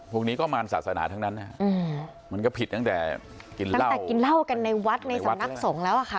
พวกนี้ก็มารศาสนาทั้งนั้นมันก็ผิดตั้งแต่กินเหล้ากันในวัดในสำนักสงฆ์แล้วอะค่ะ